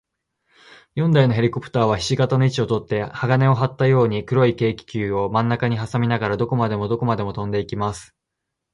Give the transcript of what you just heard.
四台のヘリコプターは、ひし形の位置をとって、綱をはったように、黒い軽気球をまんなかにはさみながら、どこまでもどこまでもとんでいきます。